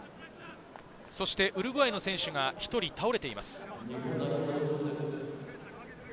そしてウルグアイの選手が１人倒れています。